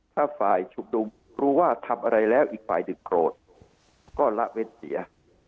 ถ้าฝ่ายชุมนุมรู้ว่าทำอะไรแล้วอีกฝ่ายหนึ่งโกรธก็ละเว้นเสีย